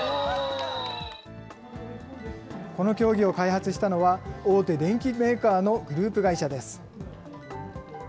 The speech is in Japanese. この競技を開発したのは、大手電機メーカーのグループ会社です。